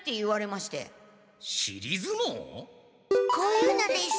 こういうのです。